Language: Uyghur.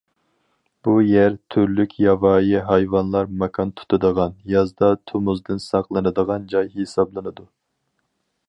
بۇ يەر تۈرلۈك ياۋايى ھايۋانلار ماكان تۇتىدىغان، يازدا تومۇزدىن ساقلىنىدىغان جاي ھېسابلىنىدۇ.